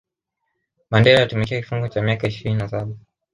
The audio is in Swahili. mandela alitumikia kifungo kwa miaka ishirini na saba